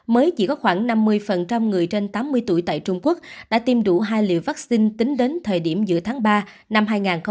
mới chỉ có khoảng năm mươi người trên tám mươi tuổi tại trung quốc đã tiêm đủ hai liều vaccine tính đến thời điểm giữa tháng ba năm hai nghìn hai mươi